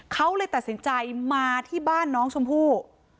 เขาเลยตัดสินใจมาที่บ้านน้องชมพู่